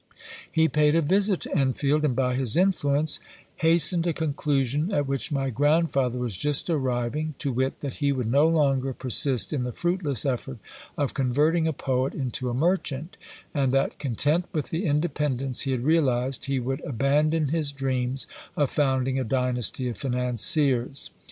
He paid a visit to Enfield, and by his influence hastened a conclusion at which my grandfather was just arriving, to wit, that he would no longer persist in the fruitless effort of converting a poet into a merchant, and that content with the independence he had realised, he would abandon his dreams of founding a dynasty of financiers.